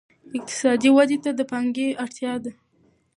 اقتصادي ودې ته د پانګې اړتیا ده.